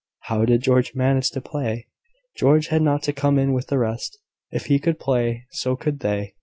How did George manage to play? George had not come in with the rest. If he could play, so could they.